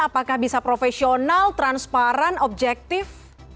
apakah bisa profesional transparan objektif